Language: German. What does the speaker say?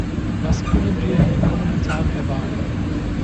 Was können wir in den kommenden Tagen erwarten?